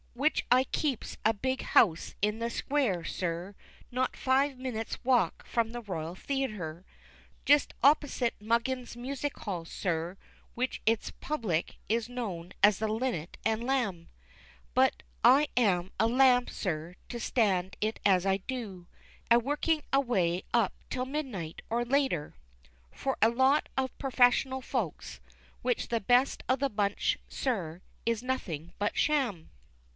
Which I keeps a big house in the square, sir, not five minits' walk from the R'yal Theaytre, Jest oppersit Muggins's Music hall, sir, which its "public" is known as the "Linnet and Lamb" But I am a lamb, sir, to stand it as I do, a working away up till midnight, or later, For a lot of purfessional folks, which the best of the bunch, sir, is nothing but sham!